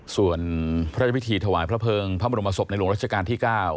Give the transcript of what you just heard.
ส่วนพระราชพิธีถวายพระเภิงพระบรมศพในหลวงรัชกาลที่๙